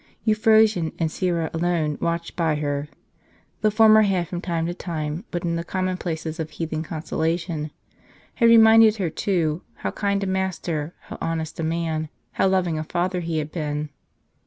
Euphrosyne and Syra alone watched by her. The former had, from time to time, put in the commonplaces of heathen consolation, had reminded her too, how kind a master, how honest a man, how loving a father he had been.